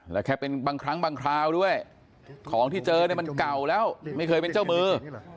แล้วแค่เป็นบางครั้งบางคราวด้วยของที่เจอเนี่ยมันเก่าแล้วไม่เคยเป็นเจ้ามือ